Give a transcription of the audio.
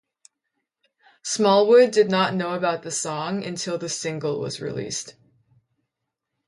Smallwood did not know about the song until the single was released.